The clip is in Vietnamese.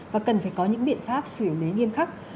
và cần phải có những biện pháp xử lý nghiêm khắc